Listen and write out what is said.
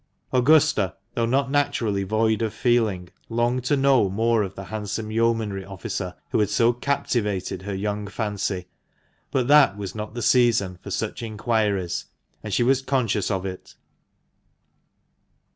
Augusta, though not naturally void of feeling, longed to know more of the handsome yeomanry officer who had so captivated her young fancy; but that was not the season for such inquiries, and she was conscious of it.